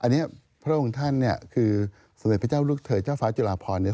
พระรับองค์ท่านเนี่ยคือสำเร็จพระเจ้าลูกเถิร์ดเจ้าฟ้าจุลาพรเนี่ย